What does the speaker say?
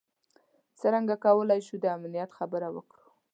څرنګه کولای شو د امنیت خبره وکړو.